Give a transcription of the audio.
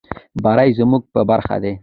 بري زموږ په برخه ده.